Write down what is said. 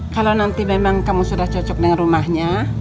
kalau nanti memang kamu sudah cocok dengan rumahnya